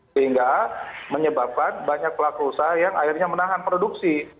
sehingga menyebabkan banyak pelaku usaha yang akhirnya menahan produksi